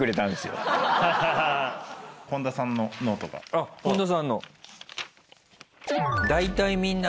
あっ本田さんの。